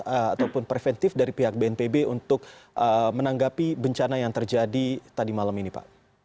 ataupun preventif dari pihak bnpb untuk menanggapi bencana yang terjadi tadi malam ini pak